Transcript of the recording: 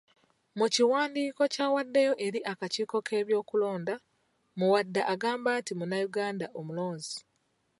Mukiwandiiko ky'awaddeyo eri akakiiko k’ebyokulonda, Muwada agamba nti munnayuganda omulonzi.